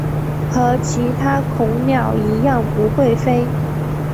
和其他恐鸟一样不会飞。